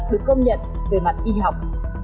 được công nhận về mặt y học